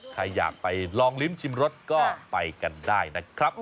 ใครอยากไปลองลิ้มชิมรสก็ไปกันได้นะครับ